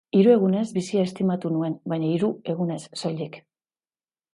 Hiru egunez, bizia estimatu nuen, baina hiru egunez soilik.